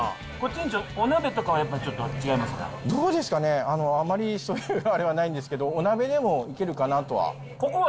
店長、どうですかね、あまりそういうあれはないんですけど、お鍋でもいけるかなとは。